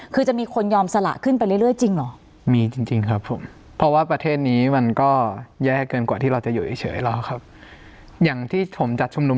คือจะมีคนยอมสละขึ้นไปเรื่อยจริงเหรอ